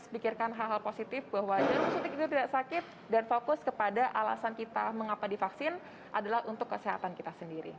saya pikirkan hal hal positif bahwa jantung suntik itu tidak sakit dan fokus kepada alasan kita mengapa divaksin adalah untuk kesehatan kita sendiri